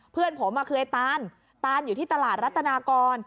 เพื่อนผมคือไอ้ตานตานอยู่ที่ตลาดรัตนากร